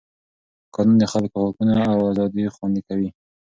قانون د خلکو حقونه او ازادۍ خوندي کوي.